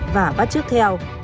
và bắt trước theo